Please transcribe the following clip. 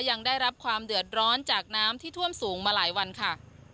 ยังได้รับความเดือดร้อนจากน้ำที่ท่วมสูงมาหลายวันค่ะ